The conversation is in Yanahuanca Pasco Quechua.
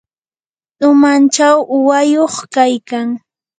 umanchaw uwayuq kaykan.